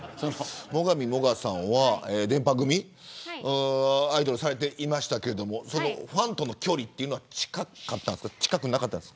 最上もがさんは、でんぱ組アイドルされていましたけどファンとの距離は近かったですか。